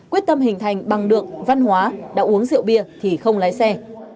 quyết tâm hình thành bằng được văn hóa đã uống rượu bia thì không lái xe